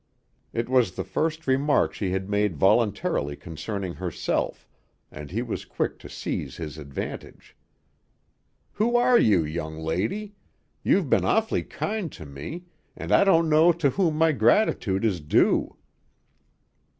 It was the first remark she had made voluntarily concerning herself, and he was quick to seize his advantage. "Who are you, young lady? You've been awfully kind to me, and I don't know to whom my gratitude is due."